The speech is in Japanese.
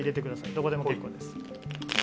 どこでも結構です。